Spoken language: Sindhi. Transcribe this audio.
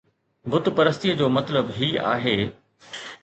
بت پرستيءَ جو مطلب هي آهي